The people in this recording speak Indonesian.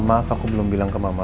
maaf aku belum bilang ke mama